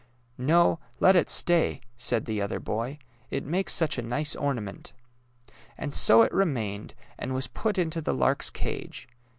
^^ No; let it stay," said the other boy; '' it makes such a nice ornament." And so it remained, and was put into the lark's cage.